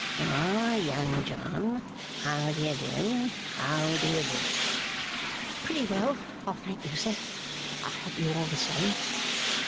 'Ah, Young John! How do you do, how do you do!' 'Pretty well, I thank you, sir. I hope you are the same.